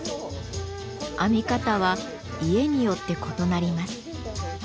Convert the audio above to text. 編み方は家によって異なります。